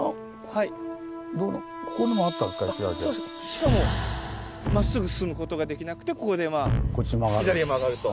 しかもまっすぐ進むことができなくてここで左へ曲がると。